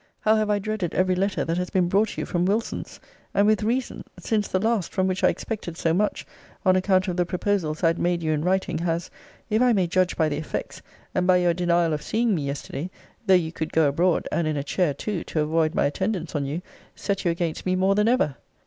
How have I dreaded every letter that has been brought you from Wilson's! and with reason: since the last, from which I expected so much, on account of the proposals I had made you in writing, has, if I may judge by the effects, and by your denial of seeing me yesterday, (though you could go abroad, and in a chair too, to avoid my attendance on you,) set you against me more than ever.